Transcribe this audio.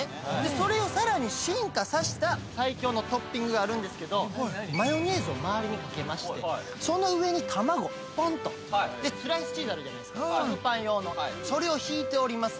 それをさらに進化させた最強のトッピングがあるんですけどマヨネーズをまわりにかけましてその上に卵ポンとでスライスチーズあるじゃないですか食パン用のそれをひいております